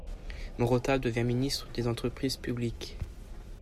Morauta devient ministre des entreprises publiques.